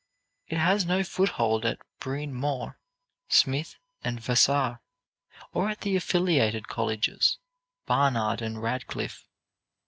It has no foothold at Bryn Mawr, Smith and Vassar, or at the affiliated colleges, Barnard and Radcliffe.